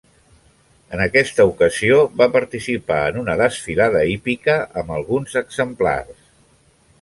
En aquesta ocasió va participar en una desfilada hípica amb alguns exemplars.